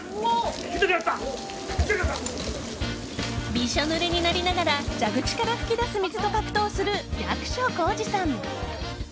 びしょぬれになりながら蛇口から噴き出す水と格闘する役所広司さん。